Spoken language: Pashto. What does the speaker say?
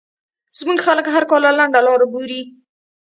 زمونږ خلک هر کار له لنډه لار ګوري